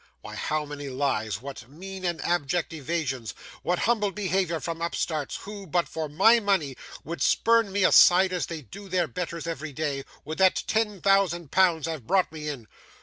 Why, how many lies, what mean and abject evasions, what humbled behaviour from upstarts who, but for my money, would spurn me aside as they do their betters every day, would that ten thousand pounds have brought me in!